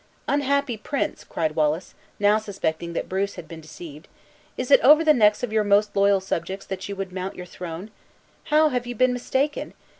"Unhappy prince," cried Wallace, now suspecting that Bruce had been deceived; "is it over the necks of your most loyal subjects that you would mount your throne? How have you been mistaken!